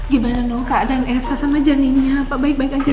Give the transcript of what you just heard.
gimana loh keadaan esa sama janinnya apa baik baik aja